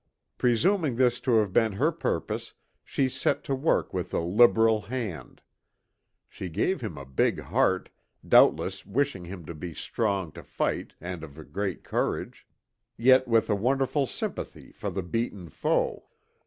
Presuming this to have been her purpose, she set to work with a liberal hand. She gave him a big heart, doubtless wishing him to be strong to fight and of a great courage, yet with a wonderful sympathy for the beaten foe.